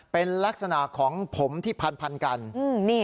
เป็นลักษณะของผมที่พันกัน